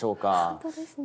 本当ですね。